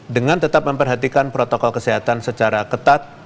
dengan tetap memperhatikan protokol kesehatan secara ketat